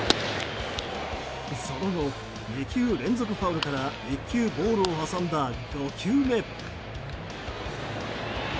その後２球連続ファウルから１球ボールを挟んだ５球目。